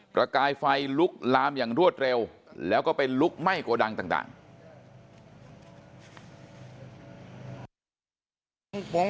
ประกายไฟลุกลามอย่างรวดเร็วแล้วก็ไปลุกไหม้โกดังต่าง